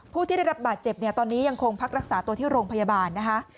ผู้ที่ได้รับบาดเจ็บเนี่ยตอนนี้ยังคงพักรักษาตัวที่โรงพยาบาลนะคะ